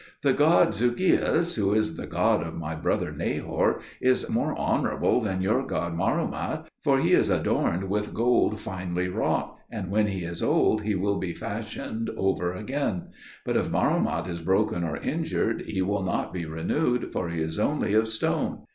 The god Zucheus, who is the god of my brother Nahor, is more honourable than your god Marumath, for he is adorned with gold finely wrought, and when he is old he will be fashioned over again; but if Marumath is broken or injured he will not be renewed, for he is only of stone.